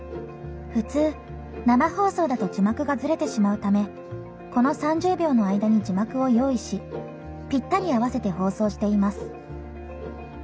普通、生放送だと字幕がずれてしまうためこの３０秒の間に字幕を用意しぴったり合わせて放送しています。